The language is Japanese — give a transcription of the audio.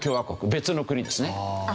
別の国ですね。